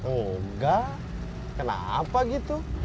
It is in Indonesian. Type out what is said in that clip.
enggak kenapa gitu